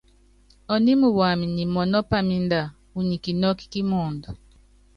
Ɔními wam nyi mɔnɔ́ pámínda, unyi kinɔ́kɔ kí muundɔ.